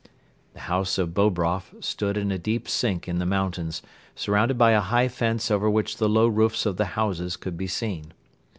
The house of Bobroff stood in a deep sink in the mountains, surrounded by a high fence over which the low roofs of the houses could be seen.